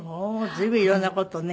随分いろんな事をね。